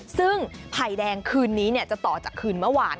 ซึ่งไผ่แดงคืนนี้จะต่อจากคืนเมื่อวาน